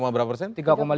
tiga berapa persen